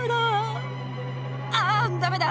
ああダメだ！